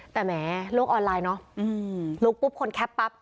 แต่แหมโลกออนไลน์เนอะลงปุ๊บคนแคปปั๊บ